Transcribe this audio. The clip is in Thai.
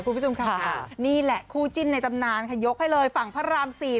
คุณผู้ชมค่ะนี่แหละคู่จิ้นในตำนานค่ะยกให้เลยฝั่งพระรามสี่